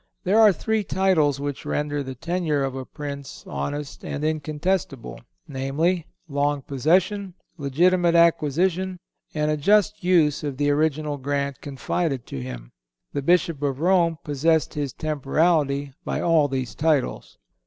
There are three titles which render the tenure of a Prince honest and incontestable, viz., long possession, legitimate acquisition and a just use of the original grant confided to him. The Bishop of Rome possessed his temporality by all these titles.